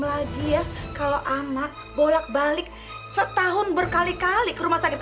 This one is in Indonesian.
lagi ya kalau anak bolak balik setahun berkali kali ke rumah sakit